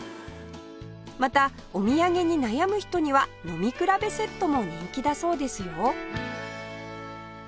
またお土産に悩む人には飲み比べセットも人気だそうですよ